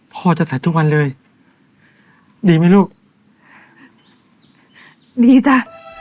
พ่อจะใส่ทุกวันเลยดีไหมลูกดีจ้ะ